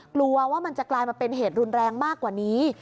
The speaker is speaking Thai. กลัวว่ามันจะกลายมาเป็นเหตุรุนแรงมากกว่านี้